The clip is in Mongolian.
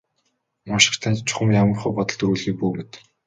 Уншигч танд чухам ямархуу бодол төрүүлэхийг бүү мэд.